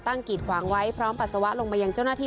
ตั้งกิดขวางไว้พร้อมปัสสาวะลงไปอย่างเจ้าหน้าที่